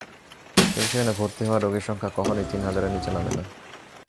কিন্তু সেখানে ভর্তি হওয়া রোগীর সংখ্যা কখনোই তিন হাজারের নিচে নামে না।